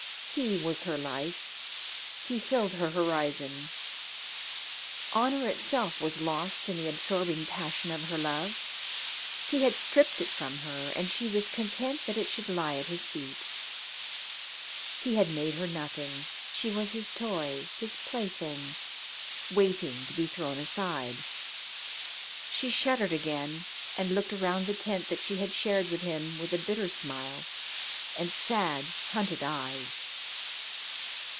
He was her life, he filled her horizon. Honour itself was lost in the absorbing passion of her love. He had stripped it from her and she was content that it should lie at his feet. He had made her nothing, she was his toy, his plaything, waiting to be thrown aside. She shuddered again and looked around the tent that she had shared with him with a bitter smile and sad, hunted eyes....